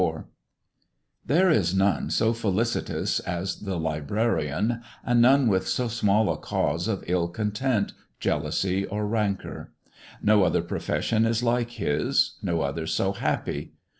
1774 There is none so Felicitous as the Librarian, and none with so smaU a cause of Ili Content, Jealousy or Rancour. No other Profession is like his ; no other so Happy.